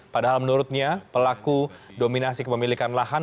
padahal menurutnya pelaku dominasi kepemilikan lahan